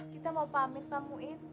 kita mau pamit pak muin